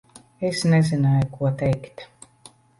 Es nezināju, ko teikt.